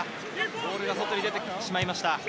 ボールが外に出てしまいました。